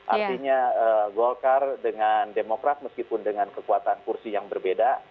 artinya golkar dengan demokrat meskipun dengan kekuatan kursi yang berbeda